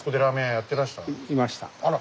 あら。